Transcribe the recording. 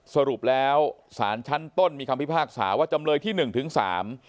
สรุปแล้วสารชั้นต้นมีคำพิพากษาว่าจำเลยที่หนึ่งถึงสาม